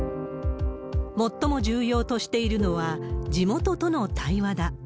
最も重要としているのは、地元との対話だ。